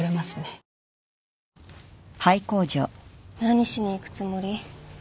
何しに行くつもり？